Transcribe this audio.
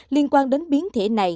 liên quan đến biến thể này